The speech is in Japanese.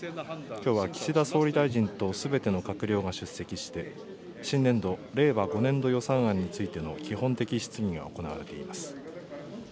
きょうは岸総理大臣とすべての閣僚が出席して、新年度・令和５年度予算案についての基本的質疑が行われています。